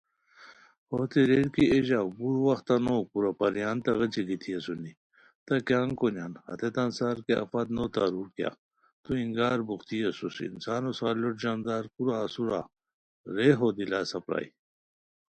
ہوتین ریر کی اے ژاؤ گور وختہ نو، کورا پریان تہ غیچھی گیتی اسونی، تہ کیان کونیان ، ہیتان سار کیہ آفت نو تارور کیہ، تو اینگار بوختی اسوس، انسانو سار لُوٹ ژاندار کورا اسور رے ہو دلاسہ پرائے